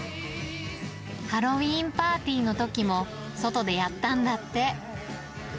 ハロウィーンパーティーのときも、外でやったんだって。